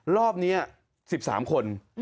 รอบนี้๑๓คน